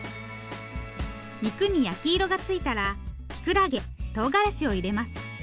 肉に焼き色がついたらきくらげとうがらしを入れます。